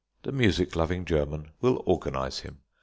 The music loving German will organise him.